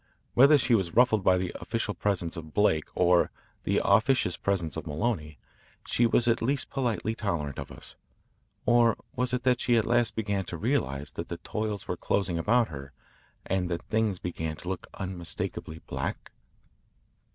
Whether she was ruffled by the official presence of Blake or the officious presence of Maloney, she was at least politely tolerant of us. Or was it that she at last began to realise that the toils were closing about her and that things began to look unmistakably black?